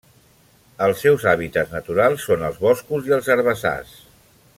Els seus hàbitats naturals són els boscos i els herbassars.